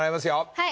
はい。